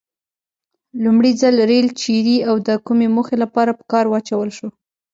لومړي ځل ریل چیري او د کومې موخې لپاره په کار واچول شو؟